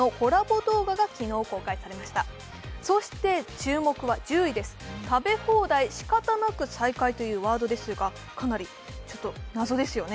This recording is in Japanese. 注目は１０位です、食べ放題仕方なく再開というワードですが、かなり、ちょっと謎ですよね。